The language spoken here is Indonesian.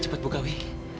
cepat buka wi